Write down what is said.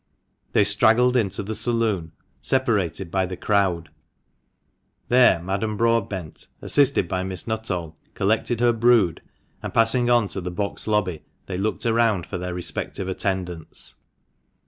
They straggled into the saloon, separated by the crowd. There Madame Broadbent, assisted by Miss Nuttall, collected her brood, and passing on to the box— lobby, they looked around for their respective attendants.